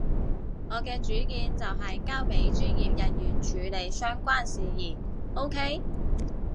我嘅主見就係交畀專業人員處理相關事宜，OK？